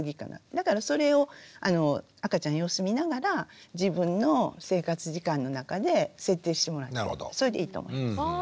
だからそれを赤ちゃん様子見ながら自分の生活時間の中で設定してもらってそれでいいと思います。